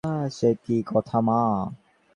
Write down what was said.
সে কি কথা মা!